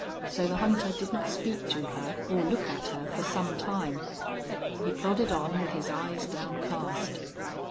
So the hunter did not speak to her or look at her for some time. He plodded on with his eyes downcast.